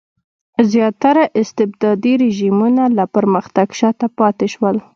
زیاتره استبدادي رژیمونه له پرمختګ شاته پاتې شول.